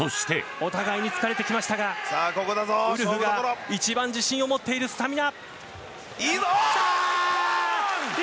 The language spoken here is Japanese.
お互いに疲れてきましたがウルフが一番自信を持っているスタミナ。